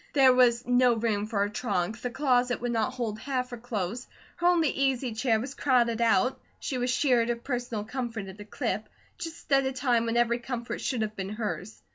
There was no room for her trunk; the closet would not hold half her clothes; her only easy chair was crowded out; she was sheared of personal comfort at a clip, just at a time when every comfort should have been hers.